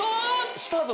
スタート